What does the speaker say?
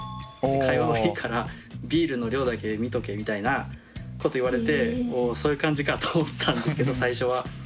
会話はいいからビールの量だけ見とけみたいなこと言われておおそういう感じかと思ったんですけど最初は。